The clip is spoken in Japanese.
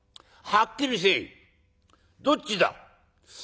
「はっきりせえ！どっちだ？」。